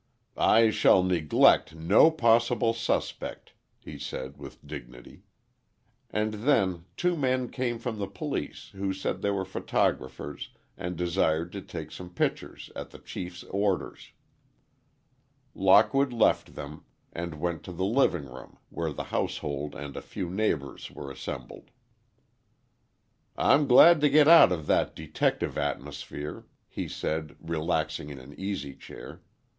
"I shall neglect no possible suspect," he said, with dignity. And then two men came from the police, who said they were photographers and desired to take some pictures, at the Chief's orders. Lockwood left them, and went to the living room where the household and a few neighbors were assembled. "I'm glad to get out of that detective atmosphere," he said, relaxing in an easy chair.